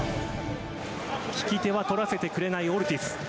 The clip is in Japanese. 引き手は取らせてくれないオルティス。